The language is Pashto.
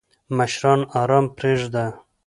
مشران آرام پریږده!